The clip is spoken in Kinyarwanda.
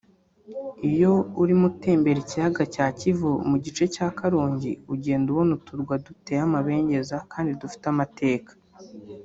Iyo urimo utembera ikiyaga cya Kivu mu gice cya Karongi ugenda ubona uturwa duteye amabengeza kandi dufite amateka